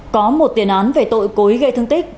có một tiền án về tội cố ý gây thương tích